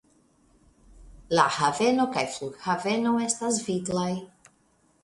La haveno kaj flughaveno estas viglaj.